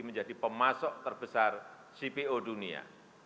menjadi pemasok terbesar cpo dunia